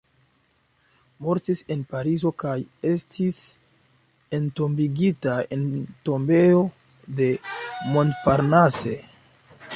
Mortis en Parizo kaj estis entombigita en Tombejo de Montparnasse.